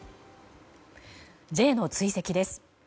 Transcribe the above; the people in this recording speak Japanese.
Ｊの追跡です。